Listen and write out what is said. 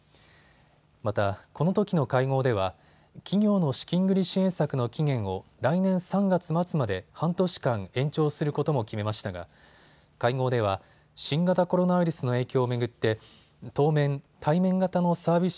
また、このときの会合では企業の資金繰り支援策の期限を来年３月末まで半年間延長することも決めましたが会合では新型コロナウイルスの影響を巡って当面、対面型のサービス